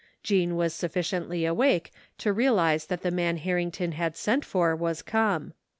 Jean was sufficiently awake to realize that the man Har rington had sent for was come.